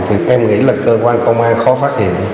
thì em nghĩ là cơ quan công an khó phát hiện